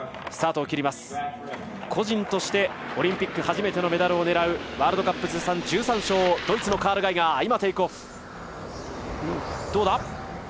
個人としてオリンピック初めてのメダルを狙うワールドカップ通算１３勝ドイツのカール・ガイガー。